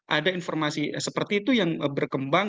itu juga ada informasi seperti itu yang berkembang